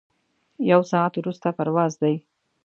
یو ساعت وروسته پرواز دی.